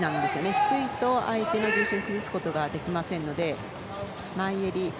低いと、相手の重心を崩すことができません。